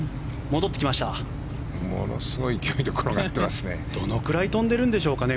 ものすごい勢いでどれくらい飛んでるんでしょうね